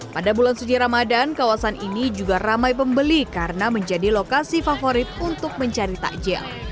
pada bulan suci ramadan kawasan ini juga ramai pembeli karena menjadi lokasi favorit untuk mencari takjil